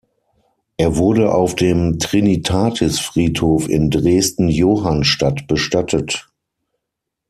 Er wurde auf dem Trinitatisfriedhof in Dresden-Johannstadt bestattet.